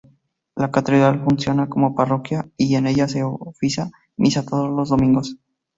La catedral funciona como parroquia y en ella se oficia misa todos los domingos.